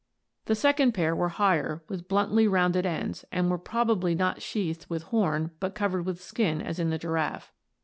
The second pair were higher, with bluntly rounded ends, and were probably not sheathed with horn but covered with skin as in the giraffe.